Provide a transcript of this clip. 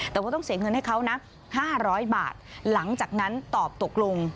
แต่ว่าต้องเสียเงินให้เขานะ๕๐๐บาทหลังจากนั้นตอบตกลง